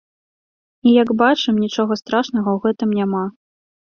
І, як бачым, нічога страшнага ў гэтым няма.